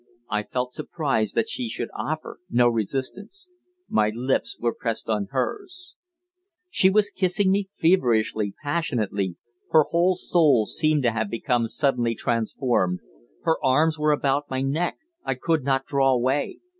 I felt surprise that she should offer no resistance. My lips were pressed on hers.... She was kissing me feverishly, passionately. Her whole soul seemed to have become suddenly transformed. Her arms were about my neck I could not draw away.